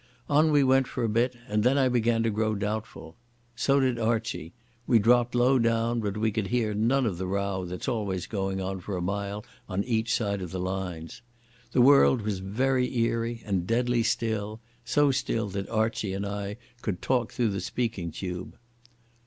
On we went for a bit, and then I began to get doubtful. So did Archie. We dropped low down, but we could hear none of the row that's always going on for a mile on each side of the lines. The world was very eerie and deadly still, so still that Archie and I could talk through the speaking tube.